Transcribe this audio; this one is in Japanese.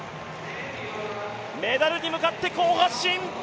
メダルに向かって好発進！